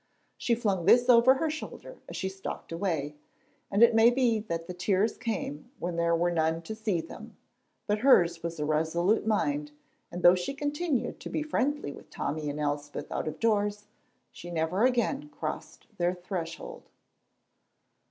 She flung this over her shoulder as she stalked away, and it may be that the tears came when there were none to see them, but hers was a resolute mind, and though she continued to be friendly with Tommy and Elspeth out of doors she never again crossed their threshold.